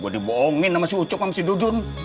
gue dibohongin sama si ucok sama si dudun